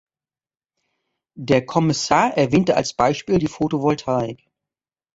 Der Kommissar erwähnte als Beispiel die Photovoltaik.